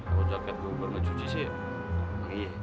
kalau jaket gue baru ngecuci sih